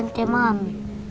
untuk membuat gulalu